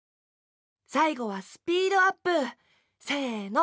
さいごはスピードアップ！せの！